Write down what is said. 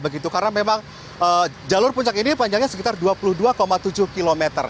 karena memang jalur puncak ini panjangnya sekitar dua puluh dua tujuh km